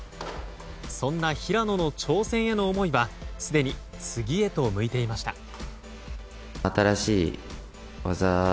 そんな平野の挑戦への思いはすでに次へと向いていました。